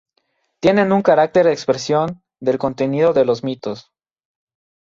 Tienen un carácter expresión del contenido de los mitos.